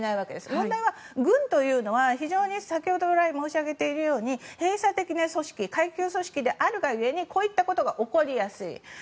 問題は軍というのは非常に先ほど来、申し上げているように閉鎖的な組織階級的な組織であるが故にこういったことが起こりやすい。